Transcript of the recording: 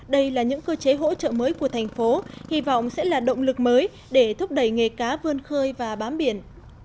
đây là những cơ chế hỗ trợ mới của thành phố hy vọng sẽ là động lực mới để thúc đẩy nghề cá vươn khơi và bám biển